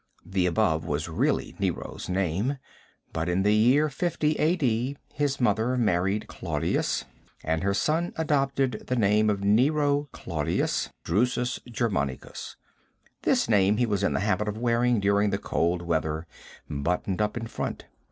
The above was really Nero's name, but in the year 50, A.D., his mother married Claudius and her son adopted the name of Nero Claudius Caesar Drusus Germanicus. This name he was in the habit of wearing during the cold weather, buttoned up in front.